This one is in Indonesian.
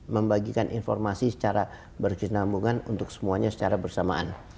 membagikan informasi secara berkesinambungan untuk semuanya secara bersamaan